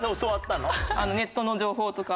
ネットの情報とか。